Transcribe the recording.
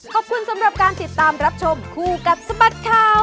ขอบคุณสำหรับการติดตามรับชมคู่กับสบัดข่าว